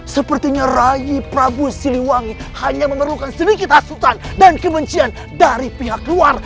sepertinya rai prabu siliwangi hanya memerlukan sedikit asutan dan kebencian dari pihak luar